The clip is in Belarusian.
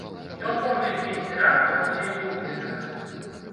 Ён можа іх есці ранкам, удзень і ўвечары!